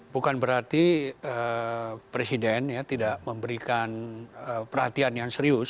bukan berarti presiden tidak memberikan perhatian yang serius